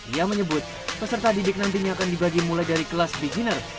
ia menyebut peserta didik nantinya akan dibagi mulai dari kelas beginner